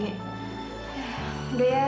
ternyata itu tragedi lo ya g